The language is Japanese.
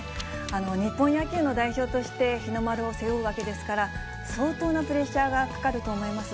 日本野球の代表として、日の丸を背負うわけですから、相当なプレッシャーがかかると思います。